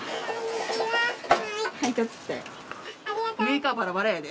メーカーバラバラやで。